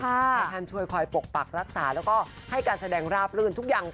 ให้ท่านช่วยคอยปกปักรักษาแล้วก็ให้การแสดงราบรื่นทุกอย่าง